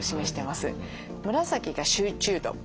紫が集中度。